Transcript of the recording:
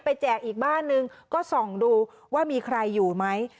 แจกอีกบ้านนึงก็ส่องดูว่ามีใครอยู่ไหม